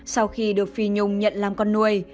sau khi được phi nhung nhận làm con nuôi